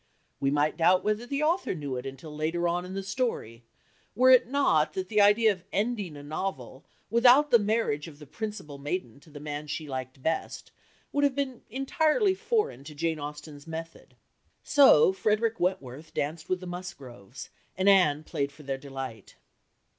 We might doubt whether the author knew it until later on in the story, were it not that the idea of ending a novel without the marriage of the principal maiden to the man she liked best would have been entirely foreign to Jane Austen's method. So Frederick Wentworth danced with the Musgroves, and Anne played for their delight.